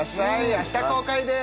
明日公開です